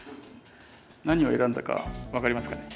何を選んだか分かりますかね？